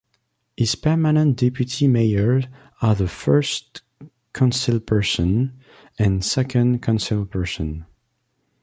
His permanent deputy mayors are the "First councilperson" and "Second councilperson".